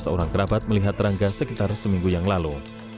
seorang kerabat melihat rangga sekitar seminggu yang lalu